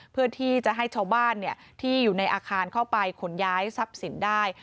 เพื่อที่จะให้ชาวบ้านที่อยู่ในอาคารเข้าไปขนย้ายทรัพย์สินได้